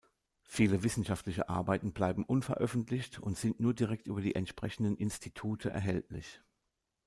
Viele wissenschaftliche Arbeiten bleiben unveröffentlicht und sind nur direkt über die entsprechenden Institute erhältlich.